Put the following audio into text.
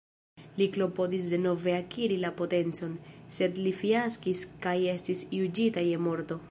Li klopodis denove akiri la potencon, sed li fiaskis kaj estis juĝita je morto.